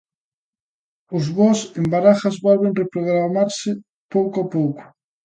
Os voos en Barajas volven reprogramarse pouco a pouco.